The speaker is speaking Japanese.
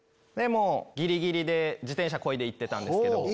ギリギリで自転車漕いで行ってたんですけど。